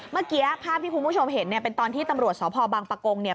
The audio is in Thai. เมื่อกี้ภาพที่คุณผู้ชมเห็นเนี่ยเป็นตอนที่ตำรวจสพบังปะกงเนี่ย